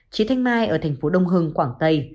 trí thanh mai ở thành phố đông hưng quảng tây